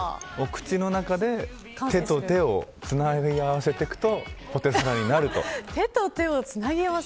口の中で手と手をつなぎ合わせていくとポテサラになると。